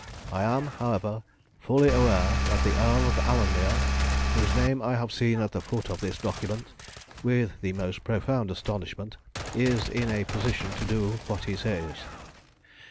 I am, however, fully aware that the Earl of Alanmere, whose name I have seen at the foot of this document with the most profound astonishment, is in a position to do what he says.